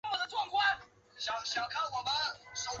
优美凤丫蕨为裸子蕨科凤丫蕨属下的一个变种。